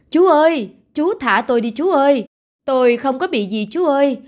chú ơi chú thả tôi đi chú ơi tôi không có bị gì chú ơi